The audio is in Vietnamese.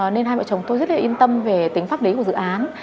nên hai vợ chồng tôi rất là yên tâm về tính pháp lý của dự án